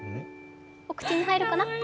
お口に入るかな？